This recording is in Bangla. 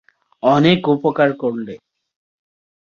অনেক উপকার করলে।